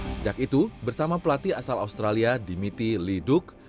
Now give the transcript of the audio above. sejak itu bersama pelatih asal australia dimiti liduk